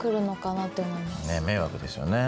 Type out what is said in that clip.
ねっ迷惑ですよね。